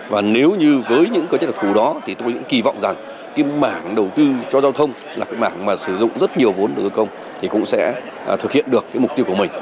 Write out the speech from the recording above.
và nếu như với những cơ chế đặc thù đó thì tôi cũng kỳ vọng rằng cái mảng đầu tư cho giao thông là cái mảng mà sử dụng rất nhiều vốn đầu tư công thì cũng sẽ thực hiện được cái mục tiêu của mình